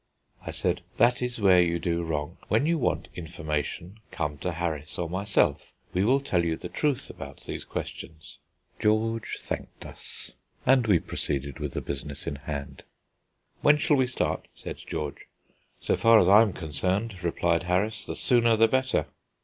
I said, "That is where you do wrong. When you want information come to Harris or myself; we will tell you the truth about these questions." George thanked us, and we proceeded with the business in hand. "When shall we start?" said George. "So far as I am concerned," replied Harris, "the sooner the better."